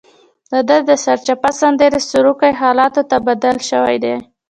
دده د سرچپه سندرې سروکي حالاتو ته بدل شوي دي.